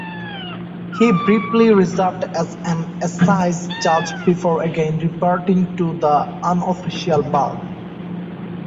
He briefly reserved as an Assize Judge before again reverting to the unofficial bar.